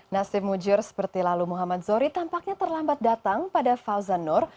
nasib mujur seperti lalu muhammad zohri tampaknya terlambat datang pada fauzanur